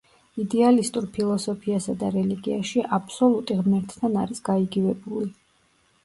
იდეალისტურ ფილოსოფიასა და რელიგიაში აბსოლუტი ღმერთთან არის გაიგივებული.